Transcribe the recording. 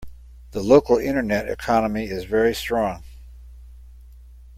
The local internet economy is very strong.